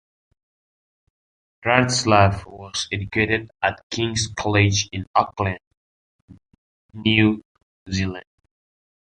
Retzlaff was educated at King's College in Auckland, New Zealand.